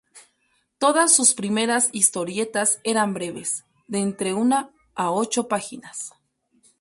Todas sus primeras historietas eran breves, de entre una a ocho páginas.